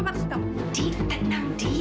tentang kamu tante